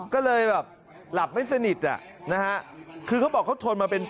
ก็เลยแบบหลับไม่สนิท